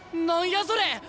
何やそれ！